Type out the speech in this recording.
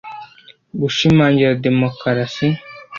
gushimangira demokarasi